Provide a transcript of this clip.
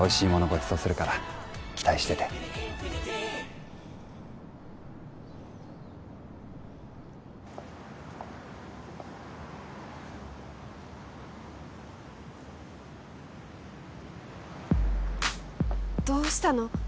ごちそうするから期待しててどうしたの？